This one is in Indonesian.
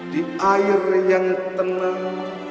di air yang tenang